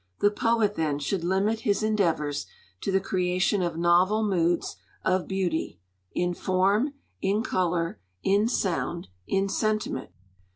The poet, then, 'should limit his endeavours to the creation of novel moods of beauty, in form, in colour, in sound, in sentiment.'